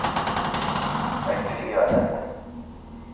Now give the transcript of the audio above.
Akli yeɛna-ten.